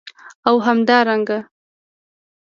او همدارنګه